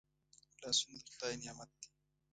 لاسونه د خدای نعمت دی